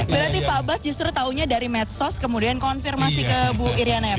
berarti pak bas justru tahunya dari medsos kemudian konfirmasi ke bu iryana ya pak